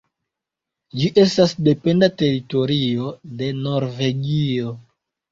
Ĝi estas dependa teritorio de Norvegio.